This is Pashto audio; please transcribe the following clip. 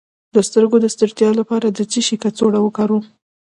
د سترګو د ستړیا لپاره د څه شي کڅوړه وکاروم؟